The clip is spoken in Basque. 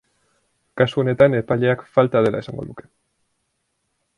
Kasu honetan epaileak falta dela esango luke.